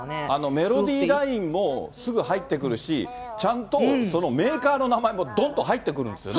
メロディーラインもすぐ入ってくるし、ちゃんとメーカーの名前もどんどん入ってくるんですよね。